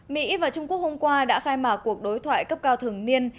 mỹ và trung quốc hôm qua đã khai mạc cuộc đối thoại cấp cao thường niên